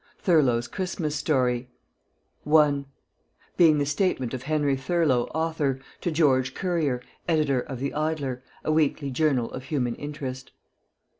THURLOW'S CHRISTMAS STORY I (_Being the Statement of Henry Thurlow Author, to George Currier, Editor of the "Idler," a Weekly Journal of Human Interest_.)